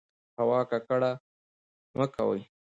هوا ککړه مه کوئ.